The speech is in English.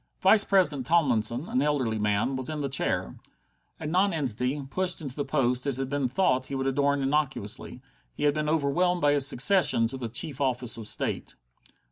Vice president Tomlinson, an elderly man, was in the chair. A non entity, pushed into a post it had been thought he would adorn innocuously, he had been overwhelmed by his succession to the chief office of State.